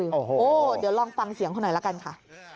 โอ้โหเดี๋ยวลองฟังเสียงเขาหน่อยละกันค่ะ